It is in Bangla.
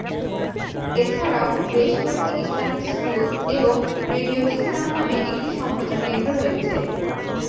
এছাড়াও বেশ কয়েকটি ইসলামিক স্কুল এবং রেডিও ইসলাম নামে একটি সম্প্রচার কেন্দ্র রয়েছে।